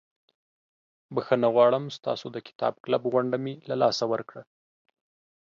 بخښنه غواړم ستاسو د کتاب کلب غونډه مې له لاسه ورکړه.